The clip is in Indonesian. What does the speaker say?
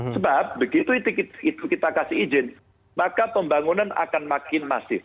sebab begitu itu kita kasih izin maka pembangunan akan makin masif